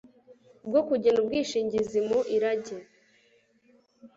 bwo kugena umwishingizi mu irage